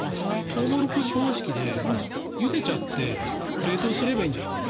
トウモロコシ方式でゆでちゃって冷凍すればいいんじゃないの？